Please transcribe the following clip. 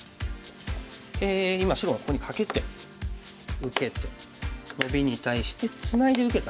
今白がここにカケて受けてノビに対してツナいで受けた。